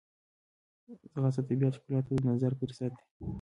ځغاسته د طبیعت ښکلا ته د نظر فرصت دی